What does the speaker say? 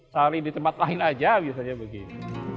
cari di tempat lain aja biasanya begini